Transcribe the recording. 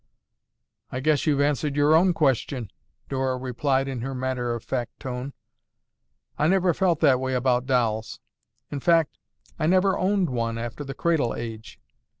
"I guess you've answered your own question," Dora replied in her matter of fact tone. "I never felt that way about dolls. In fact, I never owned one after the cradle age."